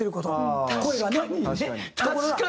確かにね！